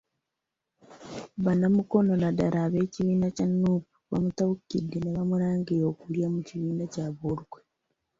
Bannamukono naddala ab'ekibiina kya Nuupu baamutabukidde ne bamulangira okulya mu kibiina kyabwe olukwe.